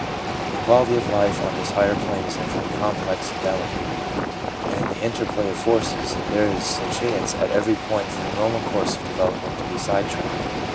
The quality of life on this higher plane is infinitely complex and delicate; and, in the interplay of forces, there is a chance at every point for the normal course of develop ment to be side tracked.